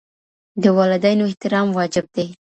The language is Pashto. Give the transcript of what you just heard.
د والدينو احترام واجب دي